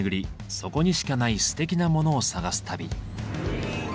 そこにしかないすてきなモノを探す旅。